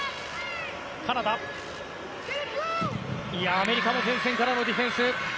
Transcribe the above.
アメリカも前線からのディフェンス。